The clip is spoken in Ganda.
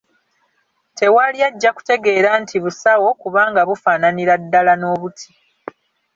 Tewali ajja kutegeera nti busawo kubanga bufaananira ddala n'obuti.